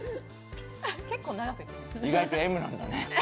意外とＭなんだね。